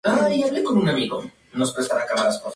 La historia se basa en los medios y el crimen.